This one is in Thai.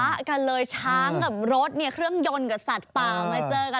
ละกันเลยช้างกับรถเนี่ยเครื่องยนต์กับสัตว์ป่ามาเจอกัน